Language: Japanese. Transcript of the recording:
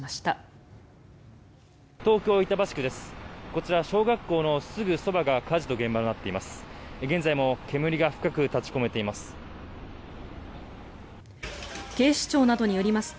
こちら、小学校のすぐそばが火事の現場になっています。